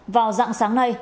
vào dạng sáng nay